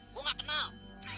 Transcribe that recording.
gua nggak kenal